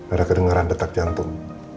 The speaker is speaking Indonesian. ada kedengaran detak jantung